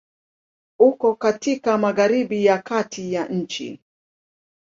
Uko katika Magharibi ya Kati ya nchi.